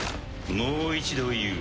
もう一度言う。